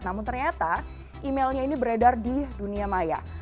namun ternyata emailnya ini beredar di dunia maya